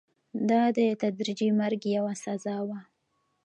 دا د تدریجي مرګ یوه سزا وه.